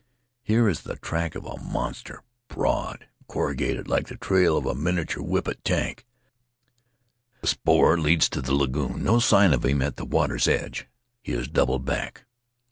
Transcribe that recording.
Here is the track of a monster, broad and corrugated like the trail of a miniature Whippet Tank; the spoor leads to the lagoon — no signs of him at the water's edge — he has doubled back.